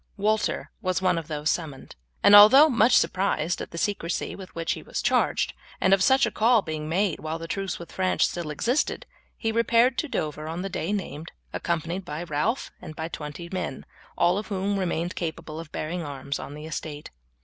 Walter was one of those summoned, and although much surprised at the secrecy with which he was charged, and of such a call being made while the truce with France still existed, he repaired to Dover on the day named, accompanied by Ralph and by twenty men, who were all who remained capable of bearing arms on the estate.